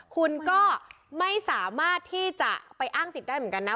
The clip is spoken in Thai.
คุณก็ไม่สามารถที่จะไปอ้างสิทธิ์ได้เหมือนกันนะ